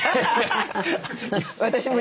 私も。